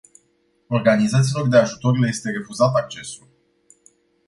Organizațiilor de ajutor le este refuzat accesul.